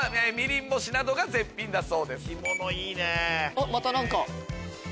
あっまた何か！